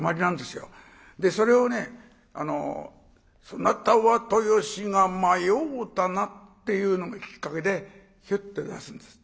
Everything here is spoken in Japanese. それを「そなたは豊志賀迷うたな」っていうのがきっかけでヒュッと出すんです。